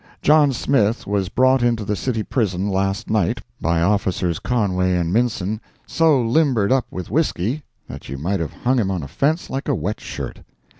—John Smith was brought into the city prison last night, by Officers Conway and Minson, so limbered up with whiskey that you might have hung him on a fence like a wet shirt.